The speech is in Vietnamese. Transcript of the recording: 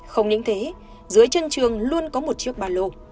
không những thế dưới chân trường luôn có một chiếc ba lô